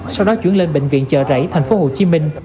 sau đó chuyển lên bệnh viện trời rẫy tp hcm